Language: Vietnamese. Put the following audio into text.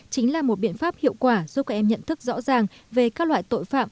chính là một biện pháp hiệu quả giúp các em nhận thức rõ ràng về các loại tội phạm